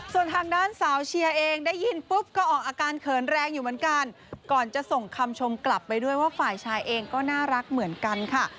ส่วนทางด้านสาวเชียร์เองได้ยินปุ๊บก็ออกอาการเขินแรงอยู่เหมือนกันก่อนจะส่งคำชมกลับไปด้วยว่าฝ่ายชายเองก็น่ารักเหมือนกันค่ะ